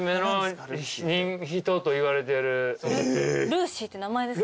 ルーシーって名前ですか？